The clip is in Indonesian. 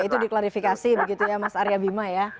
itu diklarifikasi begitu ya mas aryabima ya